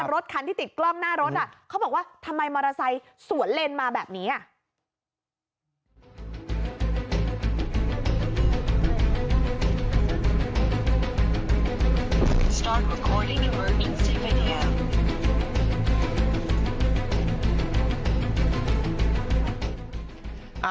รถคันที่ติดกล้องหน้ารถเขาบอกว่าทำไมมอเตอร์ไซค์สวนเลนมาแบบนี้อ่ะ